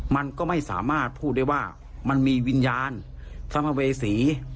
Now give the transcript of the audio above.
มันก็ไม่สามารถพูดได้ว่ามันมีวิญญาณสัมภเวษี